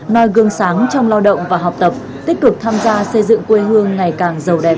noi gương sáng trong lao động và học tập tích cực tham gia xây dựng quê hương ngày càng giàu đẹp